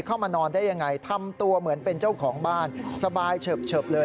เข้ามานอนได้ยังไงทำตัวเหมือนเป็นเจ้าของบ้านสบายเฉิบเลย